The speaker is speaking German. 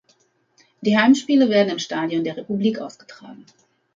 Die Heimspiele werden im Stadion der Republik ausgetragen.